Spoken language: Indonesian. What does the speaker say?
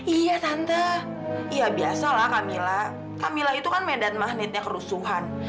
iya tante ya biasa lah kamila kamila itu kan medan magnetnya kerusuhan